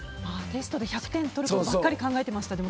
テストで１００点取ることばっかり考えてました。